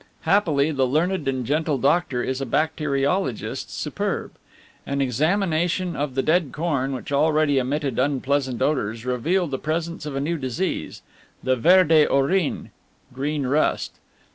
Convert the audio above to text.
Happily the learned and gentle doctor is a bacteriologist superb. An examination of the dead corn, which already emitted unpleasant odours, revealed the presence of a new disease, the verde orin (green rust).